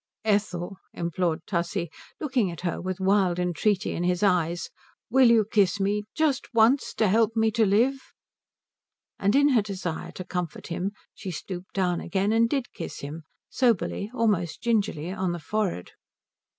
"Ethel," implored Tussie, looking at her with a wild entreaty in his eyes, "will you kiss me? Just once to help me to live " And in her desire to comfort him she stooped down again and did kiss him, soberly, almost gingerly, on the forehead.